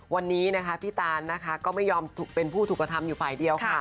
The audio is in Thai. วันนี้พี่ตานก็ไม่ยอมเป็นผู้ถูกกระทำอยู่ไฟ่เดียว